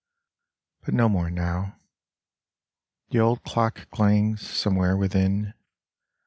. But no more now ... The old clock clangs Somewhere within.